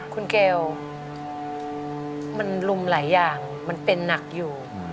คุณเกลมันลุมหลายอย่างมันเป็นหนักอยู่